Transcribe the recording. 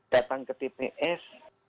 datang ke tps